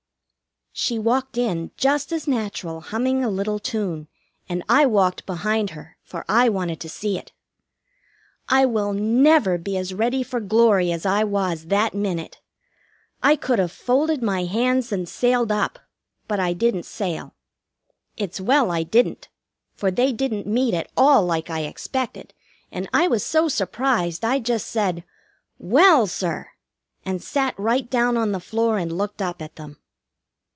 She walked in, just as natural, humming a little tune, and I walked behind her, for I wanted to see it. I will never be as ready for glory as I was that minute. I could have folded my hands and sailed up, but I didn't sail. It's well I didn't, for they didn't meet at all like I expected, and I was so surprised I just said, "Well, sir!" and sat right down on the floor and looked up at them.